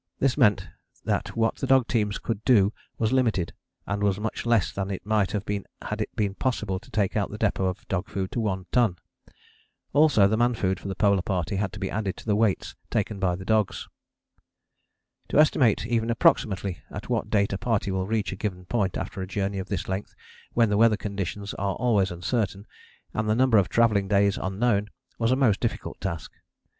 This meant that what the dog teams could do was limited, and was much less than it might have been had it been possible to take out the depôt of dog food to One Ton. Also the man food for the Polar Party had to be added to the weights taken by the dogs. To estimate even approximately at what date a party will reach a given point after a journey of this length when the weather conditions are always uncertain and the number of travelling days unknown, was a most difficult task.